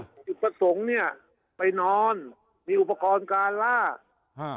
จุดประสงค์เนี้ยไปนอนมีอุปกรณ์การลากอ่า